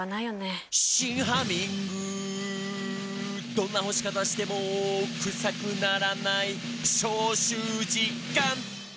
「どんな干し方してもクサくならない」「消臭実感！」